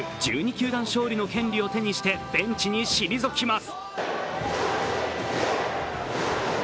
球団勝利の権利を手にして、ベンチに退きます。